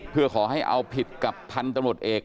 เพื่อขอให้เอาผิดกับพันธุ์ตำรวจเอก